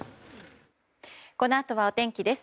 このあとはお天気です。